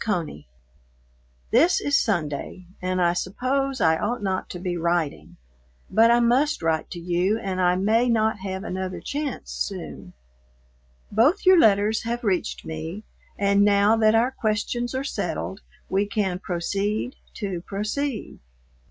CONEY, This is Sunday and I suppose I ought not to be writing, but I must write to you and I may not have another chance soon. Both your letters have reached me, and now that our questions are settled we can proceed to proceed.